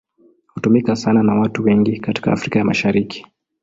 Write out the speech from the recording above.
Hutumika sana na watu wengi katika Afrika ya Mashariki.